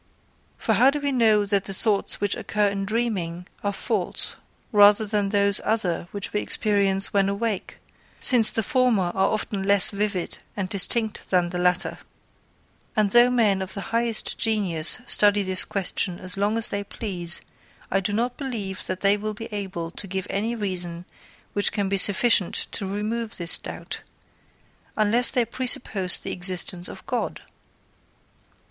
For how do we know that the thoughts which occur in dreaming are false rather than those other which we experience when awake, since the former are often not less vivid and distinct than the latter? And though men of the highest genius study this question as long as they please, I do not believe that they will be able to give any reason which can be sufficient to remove this doubt, unless they presuppose the existence of God.